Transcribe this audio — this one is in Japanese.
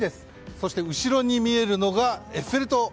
そして後ろに見えるのがエッフェル塔。